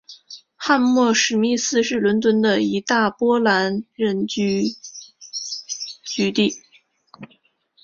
汉默史密斯是伦敦的一大波兰人聚居地。